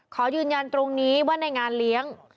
ขอยืนยันตรงนี้ว่าในงานเลี้ยง